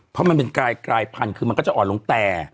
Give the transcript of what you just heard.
พอมันเป็นกายกายพันค์มันก็จะอ่อนลงแต่